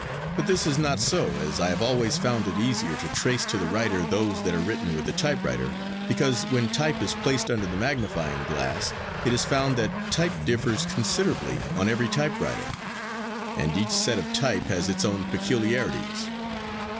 But this is not so, as I have always found it easier to trace to the writer those that are written with typewriter, because when type is placed under the magnifying glass it is found that type differs considerably on every typewriter, and each set of type has its own peculiarities.